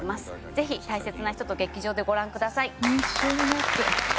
ぜひ大切な人と劇場でご覧ください。